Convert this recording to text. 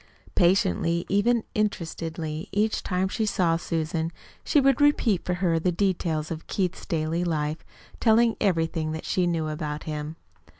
Patiently, even interestedly, each time she saw Susan, she would repeat for her the details of Keith's daily life, telling everything that she knew about him.